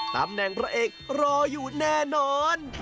ตำแหน่งพระเอกรออยู่แน่นอน